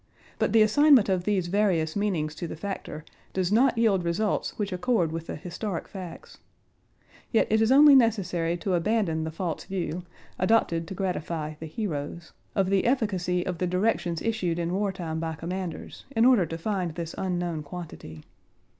But the assignment of these various meanings to the factor does not yield results which accord with the historic facts. Yet it is only necessary to abandon the false view (adopted to gratify the "heroes") of the efficacy of the directions issued in wartime by commanders, in order to find this unknown quantity.